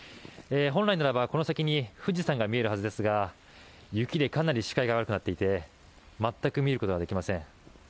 本来ならばこの先に富士山が見えるはずですが雪でかなり視界が悪くなっていて全く見ることができません。